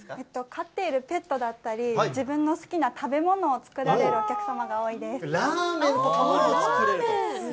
飼っているペットだったり、自分の好きな食べ物を作られるおラーメンとかもね、作れると。